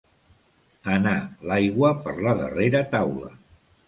Anar l'aigua per la darrera taula.